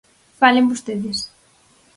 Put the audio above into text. Falen vostedes.